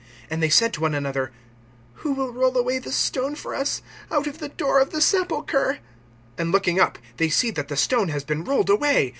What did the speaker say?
(3)And they said to one another: Who will roll away the stone for us, out of the door of the sepulchre? (4)And looking up, they see that the stone has been rolled away.